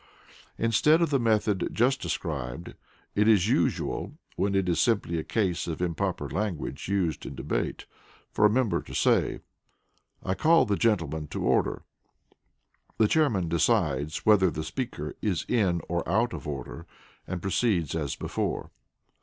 Instead of the method just described, it is usual, when it is simply a case of improper language used in debate, for a member to say, "I call the gentleman to order;" the Chairman decides whether the speaker is in or out of order, and proceeds as before.